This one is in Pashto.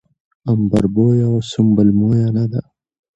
عنبربويه او سنبل مويه نه ده